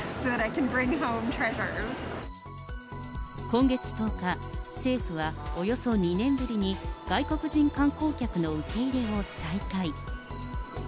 今月１０日、政府はおよそ２年ぶりに、外国人観光客の受け入れを再開。